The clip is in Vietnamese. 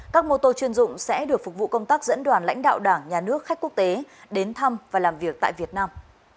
các mô tô chuyên dụng sẽ được phục vụ công tác dẫn đoàn lãnh đạo đảng nhà nước khách quốc tế đến thăm và làm việc tại việt nam